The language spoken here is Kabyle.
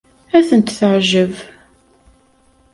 Ad ten-teɛjeb.